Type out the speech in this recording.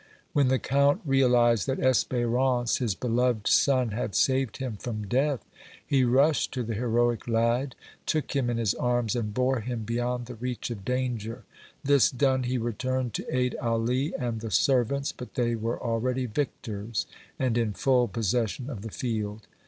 When the Count realized that Espérance, his beloved son, had saved him from death, he rushed to the heroic lad, took him in his arms and bore him beyond the reach of danger; this done, he returned to aid Ali and the servants, but they were already victors and in full possession of the field.